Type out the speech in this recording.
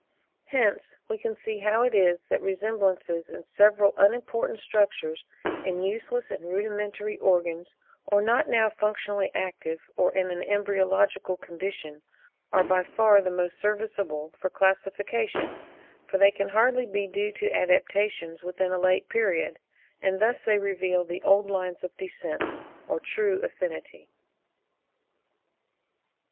Hence we can see how it is that resemblances in several unimportant structures, in useless and rudimentary organs, or not now functionally active, or in an embryological condition, are by far the most serviceable for classification; for they can hardly be due to adaptations within a late period; and thus they reveal the old lines of descent or of true affinity.